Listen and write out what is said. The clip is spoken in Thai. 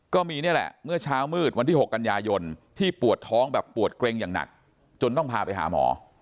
นี่แหละเมื่อเช้ามืดวันที่๖กันยายนที่ปวดท้องแบบปวดเกร็งอย่างหนักจนต้องพาไปหาหมอ